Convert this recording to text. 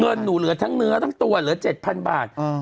เงินหนูเหลือทั้งเนื้อทั้งตัวเหลือเจ็ดพันบาทอ่า